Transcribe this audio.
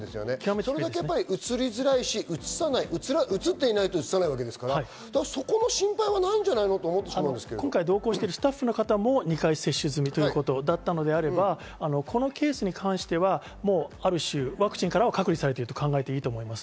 それだけ、うつりづらいしうつっていないと、うつせないわけなので、そこの心配はないんじ同行してるスタッフの方も２回接種済みということであれば、このケースに関しては、ある種ワクチンからは隔離されていると思います。